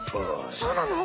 そうなの？